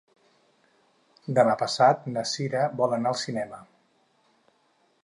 Demà passat na Cira vol anar al cinema.